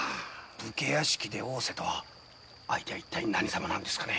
武家屋敷で逢瀬とは相手は一体何様なんですかね？